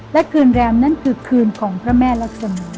และคืนแรมนั้นคือคืนของพระแม่รักษมี